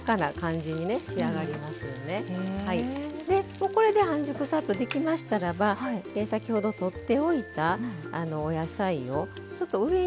でこれで半熟さっとできましたらば先ほどとっておいたお野菜をちょっと上に更に。